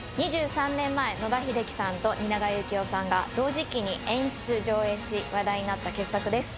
２３年前野田秀樹さんと蜷川幸雄さんが同時期に演出・上演し話題になった傑作です